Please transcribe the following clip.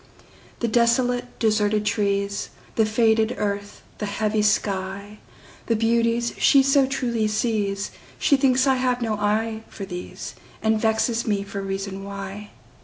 The desolate, deserted trees, The faded earth, the heavy sky, The beauties she so truly sees, She thinks I have no eye for these, And vexes me for reason why.